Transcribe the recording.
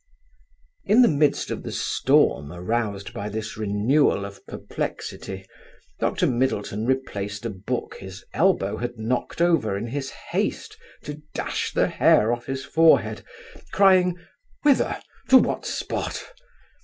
In the midst of the storm aroused by this renewal of perplexity, Dr Middleton replaced a book his elbow had knocked over in his haste to dash the hair off his forehead, crying: "Whither? To what spot?